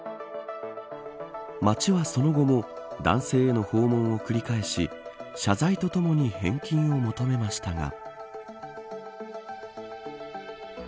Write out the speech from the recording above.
町はその後も男性への訪問を繰り返し謝罪とともに返金を求めましたが。